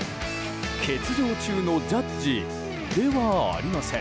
欠場中のジャッジではありません。